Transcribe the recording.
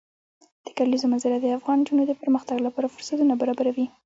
د کلیزو منظره د افغان نجونو د پرمختګ لپاره فرصتونه برابروي.